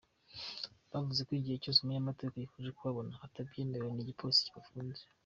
Bavuze ko igihe cyose umunyamategeko yifuje kubabona atabyemerewe n'igipolisi kibafunze.